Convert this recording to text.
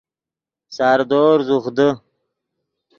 ساردور زوخ دے